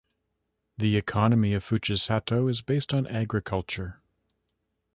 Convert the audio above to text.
The economy of Fujisato is based on agriculture.